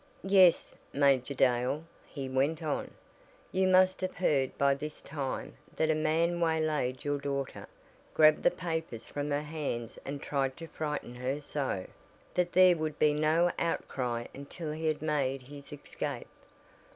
"Yes, Major Dale," he went on, "you must have heard by this time that a man waylaid your daughter, grabbed the papers from her hands and tried to frighten her so that there would be no outcry until he had made his escape.